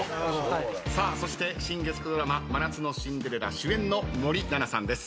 さあそして新月９ドラマ『真夏のシンデレラ』主演の森七菜さんです。